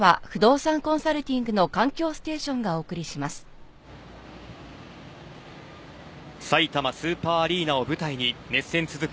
さいたまスーパーアリーナを舞台に熱戦続く